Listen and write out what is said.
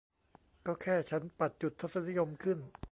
ก็แค่ฉันปัดจุดทศนิยมขึ้น